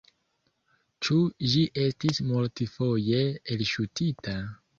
Ĉu ĝi estis multfoje elŝutita?